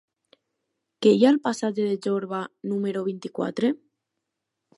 Què hi ha al passatge de Jorba número vint-i-quatre?